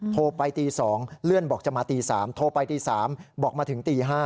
โทรไปตี๒เลื่อนบอกจะมาตี๓โทรไปตี๓บอกมาถึงตี๕